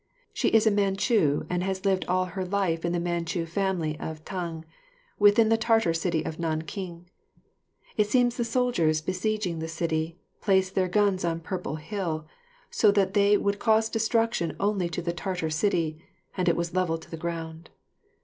She is a Manchu and has lived all her life in the Manchu family of Tang within the Tartar city of Nanking. It seems the soldiers, besieging the city, placed their guns on Purple Hill, so that they would cause destruction only to the Tartar city, and it was levelled to the ground.